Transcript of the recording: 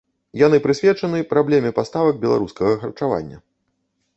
Яны прысвечаны праблеме паставак беларускага харчавання.